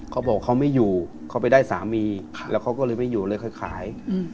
เขาบอกเขาไม่อยู่เขาไปได้สามีแล้วเขาก็เลยไม่อยู่เลยค่อยขาย